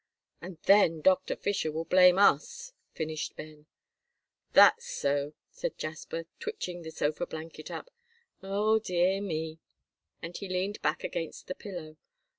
"And then Doctor Fisher will blame us," finished Ben. "That's so," said Jasper, twitching the sofa blanket up. "O dear me!" and he leaned back against the pillow.